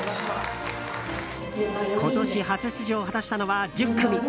今年、初出場を果たしたのは１０組。